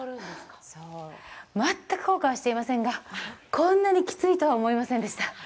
全く後悔はしていませんがこんなにきついとは思いませんでした。